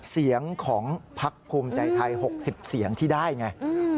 เสียงของพักภูมิใจไทย๖๐เสียงที่ได้ไง